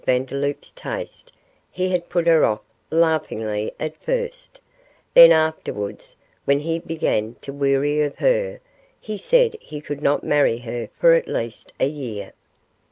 Vandeloup's taste, he had put her off, laughingly at first, then afterwards, when he began to weary of her, he said he could not marry her for at least a year.